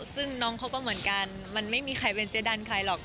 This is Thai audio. ซึ่งน้องเขาก็เหมือนกันมันไม่มีใครเป็นเจ๊ดันใครหรอก